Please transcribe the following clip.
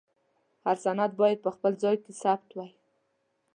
هر سند باید په خپل ځای کې ثبت وای.